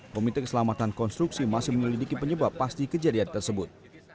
komite keselamatan konstruksi masih menyelidiki penyebab pasti kejadian tersebut